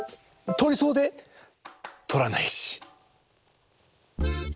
とりそうでとらないし。